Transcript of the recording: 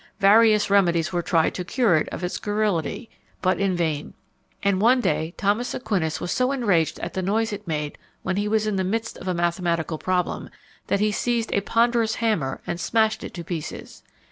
Various remedies were tried to cure it of its garrulity, but in vain; and one day, Thomas Aquinas was so enraged at the noise it made when he was in the midst of a mathematical problem, that he seized a ponderous hammer and smashed it to pieces.